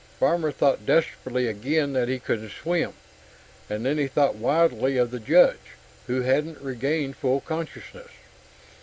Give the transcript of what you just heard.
Farmer thought desperately again that he couldn't swim, and then he thought wildly of the Judge, who hadn't regained full consciousness.